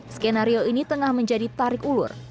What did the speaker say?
skenario ini tengah menjadi tarik ulur